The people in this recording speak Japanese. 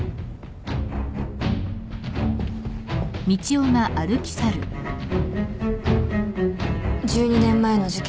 １２年前の事件